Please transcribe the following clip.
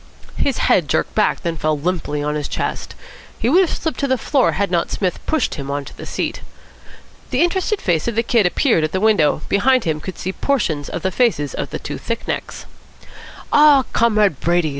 His head jerked back, then fell limply on his chest. He would have slipped to the floor had not Psmith pushed him on to the seat. The interested face of the Kid appeared at the window. Behind him could be seen portions of the faces of the two thick necks. "Ah, Comrade Brady!"